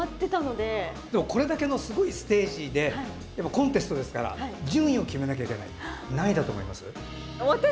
でもこれだけのすごいステージでコンテストですから順位を決めなきゃいけない。